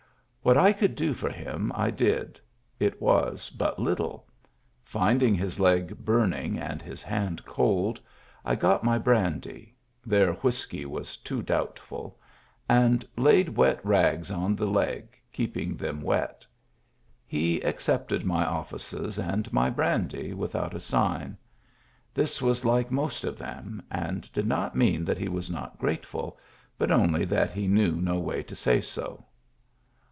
What I could do for him I did ; it was but little. Finding his leg burning and his hand cold, I got my brandy — their whiskey was too doubtful — and laid wet rags on the leg, keeping them wet He accepted my offices and my brandy without a sign; this was like most of them, and did not mean that he was not grateful, but only that he knew no way to say so.